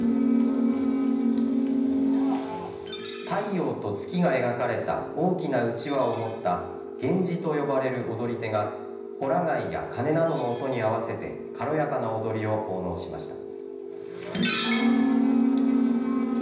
太陽と月が描かれた大きなうちわを持った下知と呼ばれる踊り手がほら貝やかねなどの音に合わせて軽やかな踊りを奉納しました。